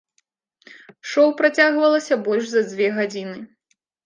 Шоў працягвалася больш за дзве гадзіны.